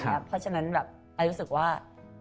เพราะฉะนั้นแบบไอรู้สึกว่า